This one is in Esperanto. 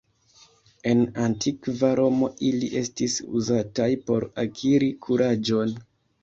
En Antikva Romo ili estis uzataj por akiri kuraĝon.